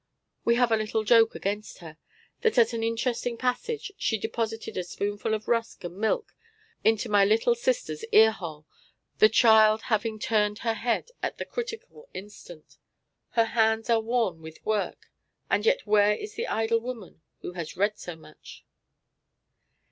We have a little joke against her, that at an interesting passage she deposited a spoonful of rusk and milk into my little sister's car hole, the child having turned her head at the critical instant. Her hands are worn with work, and yet where is the idle woman who has read as much?